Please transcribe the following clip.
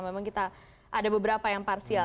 memang kita ada beberapa yang parsial